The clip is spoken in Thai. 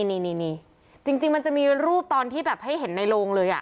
นี่จริงมันจะมีรูปตอนที่แบบให้เห็นในโรงเลย